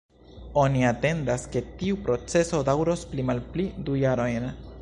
Oni atendas ke tiu proceso daŭros pli malpli du jarojn.